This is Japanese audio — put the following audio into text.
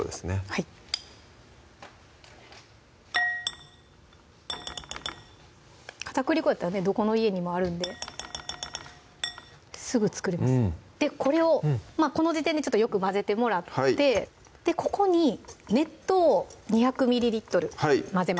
はい片栗粉やったらねどこの家にもあるんですぐ作れますでこれをこの時点でちょっとよく混ぜてもらってここに熱湯を２００ｍｌ混ぜます